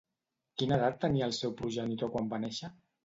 Quina edat tenia el seu progenitor quan va néixer?